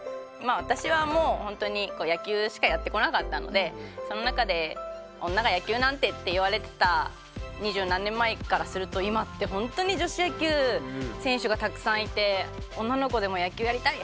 私はもう本当に野球しかやってこなかったのでその中で女が野球なんてって言われてた二十何年前からすると今って本当に女子野球選手がたくさんいて「女の子でも野球やりたい」